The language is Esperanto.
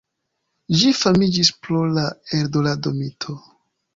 Ĝi famiĝis pro la Eldorado-mito.